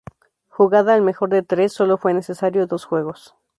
Jugada al mejor de tres, solo fue necesario dos juegos.